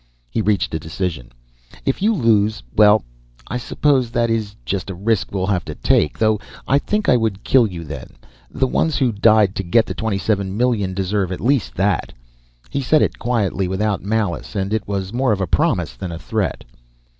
He reached a decision. "If you lose well I suppose that is just a risk we will have to take. Though I think I would kill you then. The ones who died to get the twenty seven million deserve at least that." He said it quietly, without malice, and it was more of a promise than a threat.